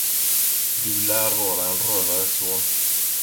Du lär vara en rövares son.